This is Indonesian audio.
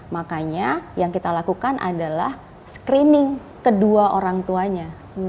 makanya yang kita lakukan adalah screening kedua orang tuanya